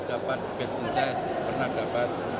dapat best in size pernah dapat